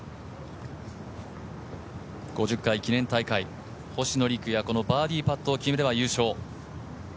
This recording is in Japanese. ５０回記念大会、星野陸也バーディーパットを決めれば優勝。